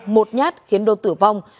một nhát khiến đô tử vong